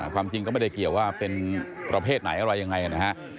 ความจริงก็ไม่ได้เกี่ยวว่าเป็นประเภทไหนอะไรยังไงนะฮะ